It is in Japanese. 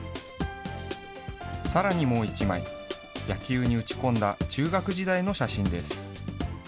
さらにもう１枚、野球に打ち込んだ中学時代の写真です。